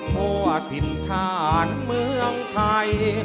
เพราะทินทานเมืองไทย